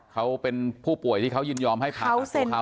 เขาเป็นผู้ป่วยที่เขายินยอมให้ผ่าตัวเขา